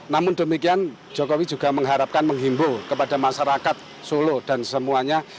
namun demikian jokowi juga mengharapkan menghimbau kepada masyarakat solo dan semuanya